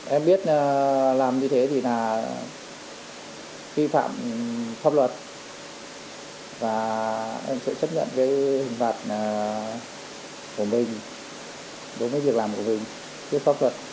em biết làm như thế thì là vi phạm pháp luật và em sẽ chấp nhận cái hình phạt của mình đối với việc làm của mình trước pháp luật